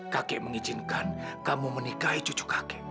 kek mengizinkan kamu menikahi cucu kek